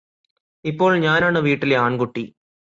ഇപ്പോൾ ഞാനാണ് വീട്ടിലെ ആണ്കുട്ടി